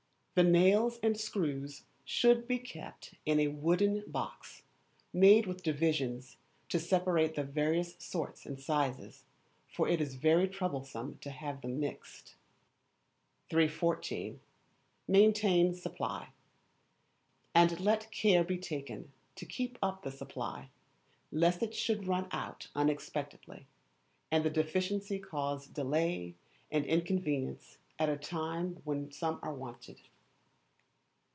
The nails and screws should be kept in a wooden box, made with divisions to separate the various sorts and sizes, for it is very troublesome to have them mixed. 314. Maintain Supply. And let care be taken to keep up the supply, lest it should run out unexpectedly, and the deficiency cause delay and inconvenience at a time when some are wanted.